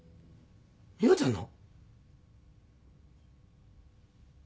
美羽ちゃんの？